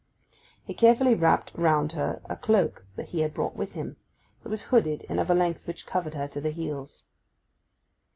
He carefully wrapped round her a cloak he had brought with him: it was hooded, and of a length which covered her to the heels.